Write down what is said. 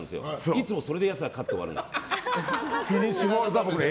いつも、それでやすが勝って終わるんです。